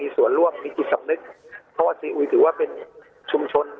ส่วนร่วมมีจิตสำนึกเพราะว่าซีอุยถือว่าเป็นชุมชน